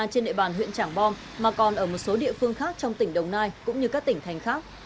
nhưng cũng như trên địa bàn huyện trảng bom mà còn ở một số địa phương khác trong tỉnh đồng nai cũng như các tỉnh thành khác